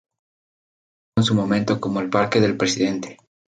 Fue conocido en su momento como el Parque del presidente.